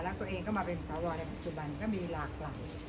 แล้วตัวเองก็มาเป็นสวในปัจจุบันก็มีหลากหลาย